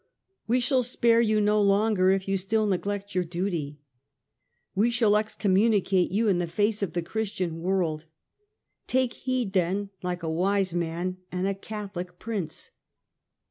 We shall spare you no longer if you still neglect your duty ; we shall excommunicate you in the face of the Christian world. Take heed, then, like a wise man and a Catholic Prince